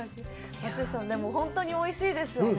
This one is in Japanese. でも本当においしいですよね。